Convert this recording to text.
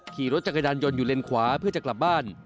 ขี่รถจักรยานยนต์อยู่เลนขวาเพื่อจะกลับบ้าน